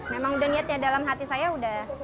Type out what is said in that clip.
memang udah niatnya dalam hati saya udah